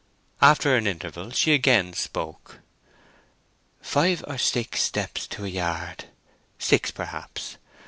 After an interval she again spoke. "Five or six steps to a yard—six perhaps.